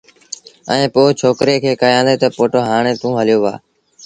ائيٚݩ پو ڇوڪري کي ڪهيآݩدي تا پُٽ هآڻي توݩ هليو وهآ